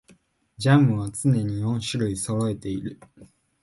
ジャムは常に四種類はそろえている